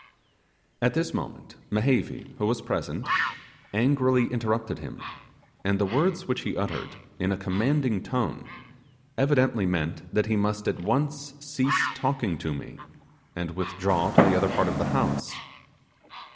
At this moment, Mehevi, who was present, angrily interrupted him; and the words which he uttered in a commanding tone, evidently meant that he must at once cease talking to me and withdraw to the other part of the house.